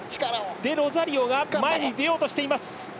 デロザリオが前に出ようとしています。